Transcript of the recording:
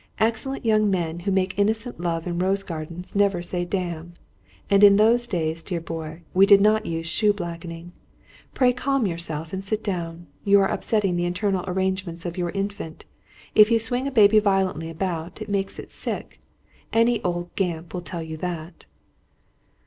"Excellent young men who make innocent love in rose gardens, never say 'damn.' And in those days, dear boy, we did not use shoe blacking. Pray calm yourself, and sit down. You are upsetting the internal arrangements of your Infant. If you swing a baby violently about, it makes it sick. Any old Gamp will tell you that."